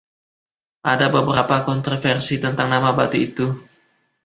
Ada beberapa kontroversi tentang nama batu itu.